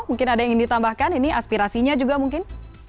mungkin ada yang ingin ditambahkan ini aspirasinya juga mungkin